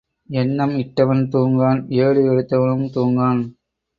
எண்ணம் இட்டவன் தூங்கான் ஏடு எடுத்தவனும் தூங்கான்.